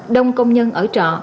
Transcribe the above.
đông công nhân ở trọ